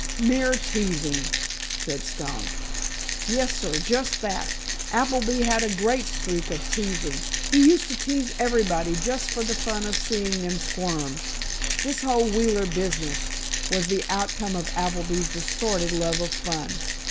"Mere teasing," said Stone. "Yes, sir, just that. Appleby had a great streak of teasing. He used to tease everybody just for the fun of seeing them squirm. This whole Wheeler business was the outcome of Appleby's distorted love of fun.